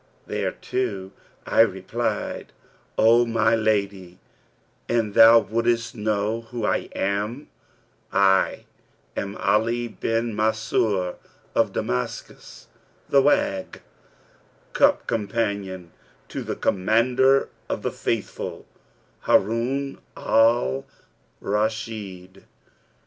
Thereto I replied, 'O my lady, an thou wouldest know who I am, I am Ali bin Mansъr of Damascus, the Wag, cup companion to the Commander of the Faithful, Harun al Rashid.'